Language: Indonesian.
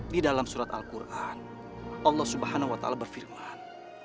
di dalam surat al quran allah subhanahu wa ta'ala berfirman